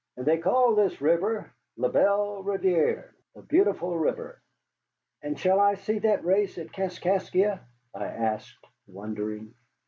And they called this river 'La Belle Rivière,' the Beautiful River." "And shall I see that race at Kaskaskia?" I asked, wondering.